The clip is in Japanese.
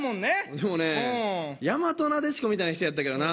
でもねやまとなでしこみたいな人やったからな。